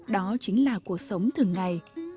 đó chính là cuộc sống thường ngày